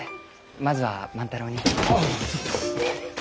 まずは万太郎に。